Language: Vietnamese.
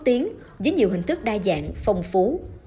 tiến với nhiều hình thức đa dạng phong phú